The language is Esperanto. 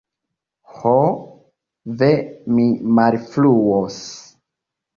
Ho, ve! mi malfruos!